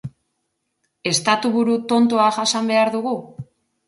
Estatuburu tontoa jasan behar dugu?